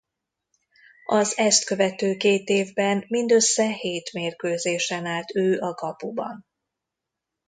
Az ezt követő két évben mindössze hét mérkőzésen állt ő a kapuban.